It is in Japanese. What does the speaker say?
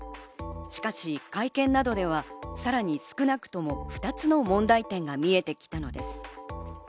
しかし会見などでは、さらに少なくとも２つの問題点が見えてきたのです。